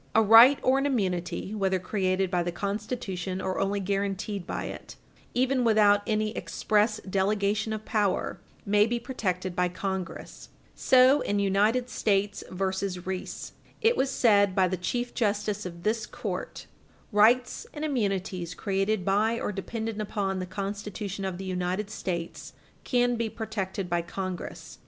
A right or an immunity, whether created by the Constitution or only guaranteed by it, even without any express delegation of power, may be protected by Congress. Prigg v. The Commonwealth of Pennsylvania, 16 Pet. 539. So, in Page 100 U. S. 311 United States v. Reese, 92 U. S. 214, it was aid by the Chief Justice of this court: "Rights and immunities created by or dependent upon the Constitution of the United States can be protected by Congress.